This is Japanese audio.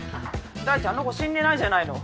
第一あの子死んでないじゃないの。